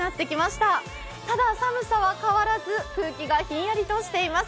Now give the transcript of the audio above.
ただ寒さは変わらず空気がひんやりとしています。